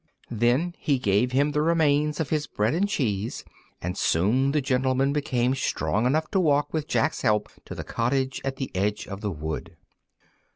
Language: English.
Then he gave him the remains of his bread and cheese, and soon the gentleman became strong enough to walk with Jack's help to the cottage at the edge of the wood.